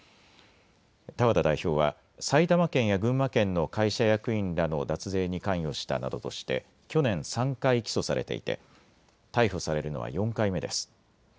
多和田代表は埼玉県や群馬県の会社役員らの脱税に関与したなどとして去年３回起訴されていて逮捕されるのは４回目です。